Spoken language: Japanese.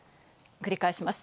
繰り返します。